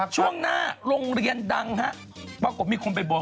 ช่วงหน้าโรงเรียนดังฮะ